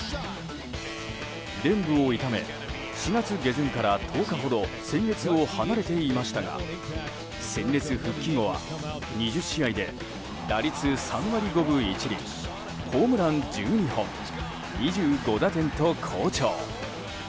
臀部を痛め４月下旬から１０日ほど戦列を離れていましたが戦列復帰後は２０試合で打率３割５分１厘ホームラン１２本２５打点と好調。